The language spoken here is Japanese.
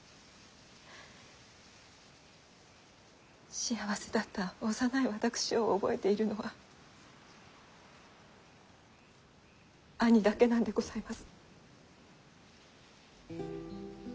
幸せだった幼い私を覚えているのは兄だけなんでございます。